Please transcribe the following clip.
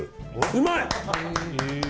うまい！